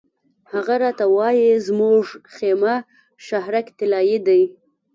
هغه راته وایي زموږ خیمه شهرک طلایي دی.